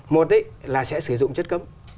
một là sẽ sử dụng chất cấm